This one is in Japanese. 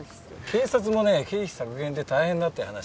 警察もね経費削減で大変だって話。